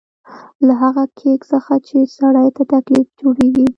له هغه کېک څخه چې سړي ته تکلیف جوړېږي.